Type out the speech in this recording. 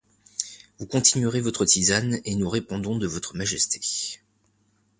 Vous continuerez votre tisane, et nous répondons de votre majesté.